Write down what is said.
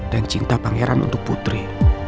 cinta pangeran untuk putri